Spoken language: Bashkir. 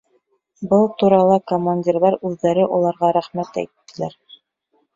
Был турала командирҙар үҙҙәре уларға рәхмәт әйттеләр.